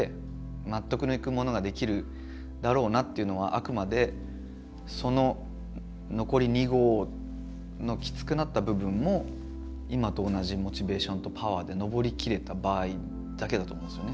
納得のいくものができるだろうなっていうのはあくまでその残り２合のきつくなった部分も今と同じモチベーションとパワーで登りきれた場合だけだと思うんですよね。